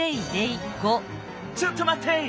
ちょっとまって！